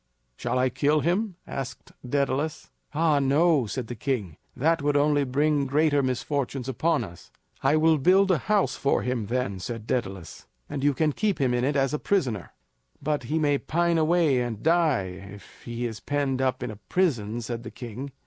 "Shall I kill him?" asked Daedalus. "Ah, no!" said the king. "That would only bring greater misfortunes upon us." "I will build a house for him then," said Daedalus, "and you can keep him in it as a prisoner." "But he may pine away and die if he is penned up in prison," said the king.